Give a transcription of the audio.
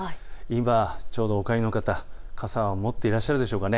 今ちょうどお帰りの方、傘は持っていらっしゃるでしょうか。